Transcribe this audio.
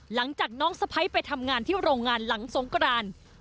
หลังจากน้องสะพ้ายไปทำงานที่โรงงานหลังสงกราน